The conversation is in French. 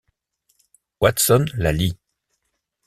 Watson la lit.